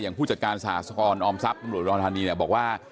อย่างผู้จัดการสากรออมทรัพย์ตำรวจอุดอนธานีบอกว่า